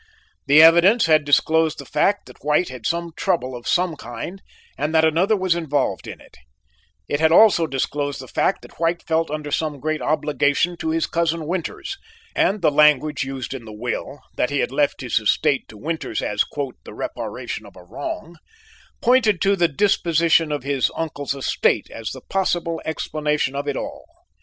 The evidence had disclosed the fact that White had some trouble of some kind and that another was involved in it; it had also disclosed the fact that White felt under some great obligation to his cousin Winters and the language used in the will, that he left his estate to Winters as 'the reparation of a wrong,' pointed to the disposition of his uncle's estate as the possible explanation of it all.